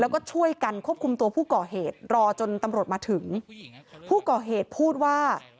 แล้วก็ช่วยกันควบคุมตัวผู้ก่อเหตุรอจนตำรวจมาถึงผู้ก่อเหตุพูดว่า